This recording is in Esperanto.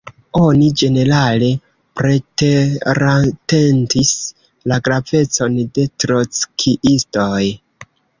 Oni ĝenerale preteratentis la gravecon de trockiistoj.